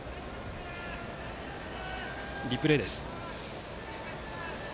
リプレイです。